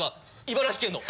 茨城県の。